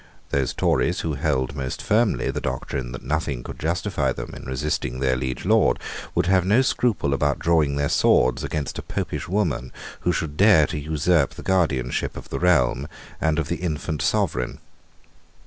Those Tories who held most firmly the doctrine that nothing could justify them in resisting their liege lord would have no scruple about drawing their swords against a Popish woman who should dare to usurp the guardianship of the realm and of the infant sovereign.